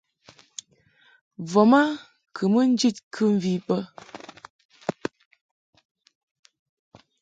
Voma kɨ mɨ ni njid kɨmvi bə.